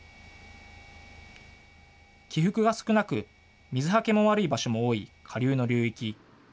起伏が少なく水はけも悪い場所も多い下流の流域。